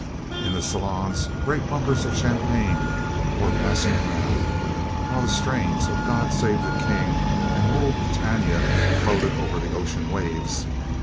In the saloons great bumpers of champagne were passing round, while the strains of "God save the King" and "Rule Britannia" floated over the ocean waves.